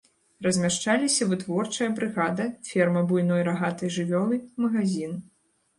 Размяшчаліся вытворчая брыгада, ферма буйной рагатай жывёлы, магазін.